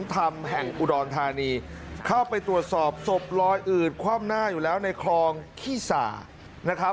สมธรรมแห่งอุดรทานีเข้าไปตรวจสอบสบลอยอืดความหน้าอยู่แล้วในคลองขี้ส่า